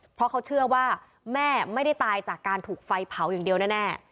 เพราะเขาเชื่อว่าแม่ไม่ได้ตายจากการถูกไฟเผาอย่างเดียวแน่